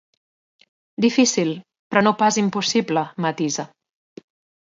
Difícil, però no pas impossible, matisa.